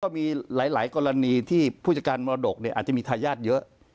มีหลายกรณีที่ผู้จัดการมรดกอาจจะมีทายาทเยอะ